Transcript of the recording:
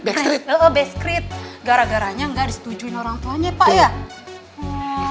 gara garanya gak disetujuin orang tuanya pak